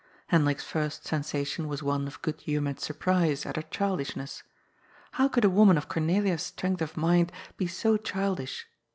Hendrik's first sensation was one of good humoured surprise at her child ishness. How could a woman of Cornelia's strength of mind be so childish